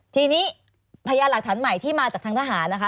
ทีนี้พยานหลักฐานใหม่ที่มาจากทางทหารนะคะ